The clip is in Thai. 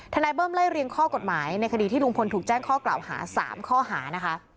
เบิ้มไล่เรียงข้อกฎหมายในคดีที่ลุงพลถูกแจ้งข้อกล่าวหา๓ข้อหานะคะ